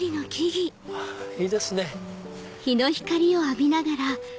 いいですね。